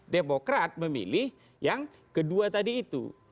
demokrat memilih yang kedua tadi itu